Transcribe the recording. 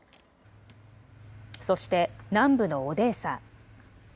そして南部のオデーサ。